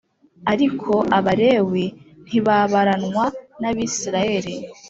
Ariko Abalewi ntibabaranwa n’ Abisirayeli